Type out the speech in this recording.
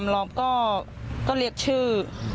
ล้อมก็เรียกชื่อ